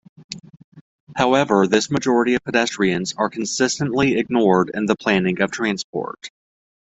However, this majority of pedestrians are consistently ignored in the planning of transport.